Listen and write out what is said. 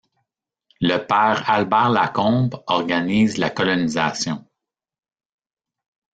Le père Albert Lacombe organise la colonisation.